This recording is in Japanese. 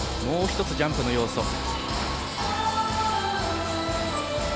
もう１つジャンプの要素。